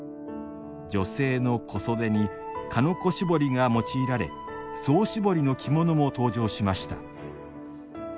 女性の小袖に鹿の子絞りが用いられ総絞りの着物も登場しました